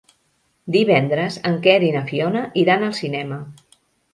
Divendres en Quer i na Fiona iran al cinema.